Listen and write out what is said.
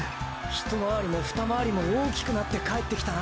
一回りも二回りも大きくなって帰ってきたな。